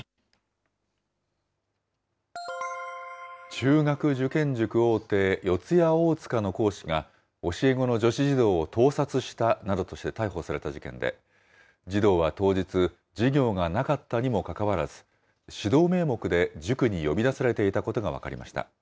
中学受験塾大手、四谷大塚の講師が教え子の女子児童を盗撮したなどとして逮捕された事件で、児童は当日、授業がなかったにもかかわらず、指導名目で塾に呼び出されていたことが分かりました。